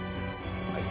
はい。